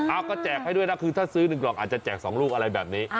เอาก็แจกให้ด้วยนะคือถ้าซื้อ๑กล่องอาจจะแจก๒ลูกอะไรแบบนี้